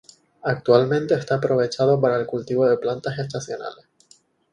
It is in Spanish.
Actualmente está aprovechado para el cultivo de plantas estacionales.